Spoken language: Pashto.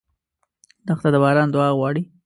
دښته د باران دعا غواړي.